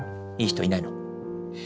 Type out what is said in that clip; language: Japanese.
いい人いないの？